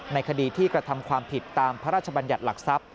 ในคดีที่กระทำความผิดตามพระราชบัญญัติหลักทรัพย